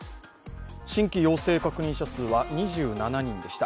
新規陽性確認者数は２７人でした。